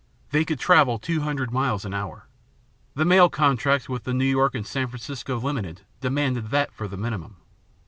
They could travel two hundred miles an hour. The mail contracts with the New York and San Francisco Limited demanded that for the minimum.